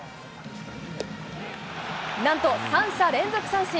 なんと三者連続三振。